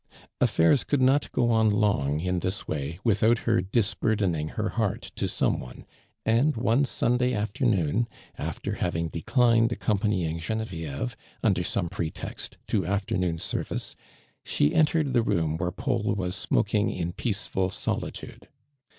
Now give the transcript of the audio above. Aflaire could not go on long in tins way without her disburdening her heart to some one, and one Suntluy afternoon, after having declined accompanying (ionevieve, under some pretext, to aftoinoon service, she entered the room where Paul was smoking in peaceful solitude.